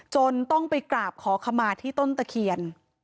จนต้องไปกราบขอขมาที่ต้นตะเคียน